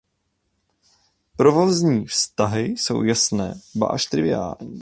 Provozní vztahy jsou jasné ba až triviální.